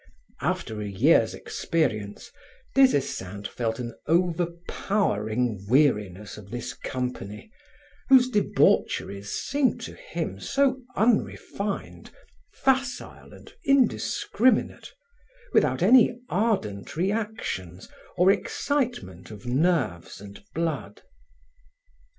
After a year's experience, Des Esseintes felt an overpowering weariness of this company whose debaucheries seemed to him so unrefined, facile and indiscriminate without any ardent reactions or excitement of nerves and blood.